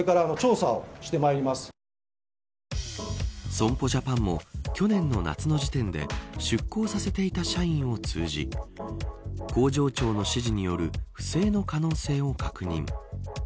損保ジャパンも去年の夏の時点で出向させていた社員を通じ工場長の指示による不正の可能性を確認。